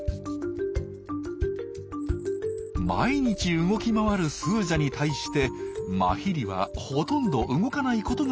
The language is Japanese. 毎日動き回るスージャに対してマヒリはほとんど動かないことがわかります。